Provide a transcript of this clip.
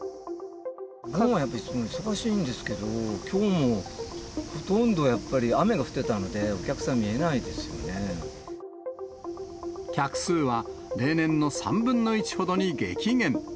お盆はいつも忙しいんですけど、きょうもほとんどやっぱり雨が降ってたので、お客さん、客数は例年の３分の１ほどに激減。